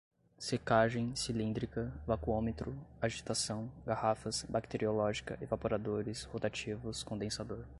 secagem, cilíndrica, vacuômetro, agitação, garrafas, bacteriológica, evaporadores, rotativos, condensador